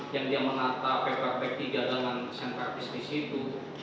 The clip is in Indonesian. yang dia menata paper bag tiga dengan centerpiece di situ